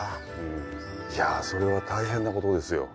いやそれは大変なことですよ。